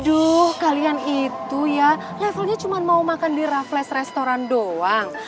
aduh kalian itu ya levelnya cuma mau makan di raffles restoran doang